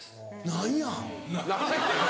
何や？